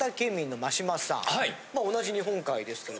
同じ日本海ですけど。